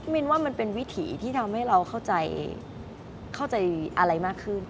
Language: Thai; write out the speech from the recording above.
มินว่ามันเป็นวิถีที่ทำให้เราเข้าใจอะไรมากขึ้น